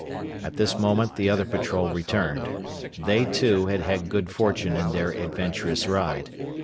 At this moment the other patrol returned. They, too, had had good fortune in their adventurous ride.